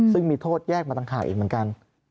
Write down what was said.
ซึ่งมีโทษแยกมาต่างหากอีกเหมือนกัน